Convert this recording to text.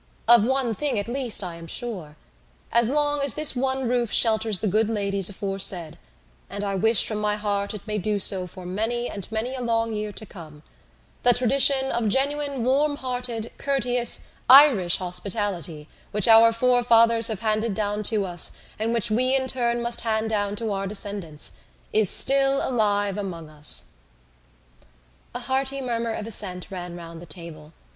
Of one thing, at least, I am sure. As long as this one roof shelters the good ladies aforesaid—and I wish from my heart it may do so for many and many a long year to come—the tradition of genuine warm hearted courteous Irish hospitality, which our forefathers have handed down to us and which we in turn must hand down to our descendants, is still alive among us." A hearty murmur of assent ran round the table.